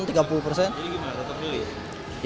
jadi gimana tetap beli